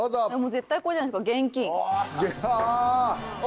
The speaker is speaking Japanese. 絶対これじゃないですか？